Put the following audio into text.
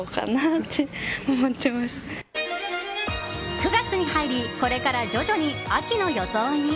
９月に入りこれから徐々に秋の装いに。